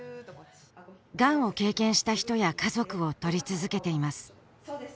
がんを経験した人や家族を撮り続けていますそうです